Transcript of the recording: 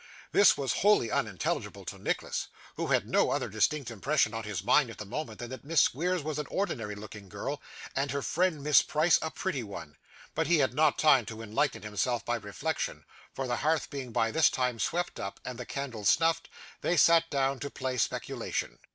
This was wholly unintelligible to Nicholas, who had no other distinct impression on his mind at the moment, than that Miss Squeers was an ordinary looking girl, and her friend Miss Price a pretty one; but he had not time to enlighten himself by reflection, for the hearth being by this time swept up, and the candle snuffed, they sat down to play speculation.